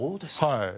はい。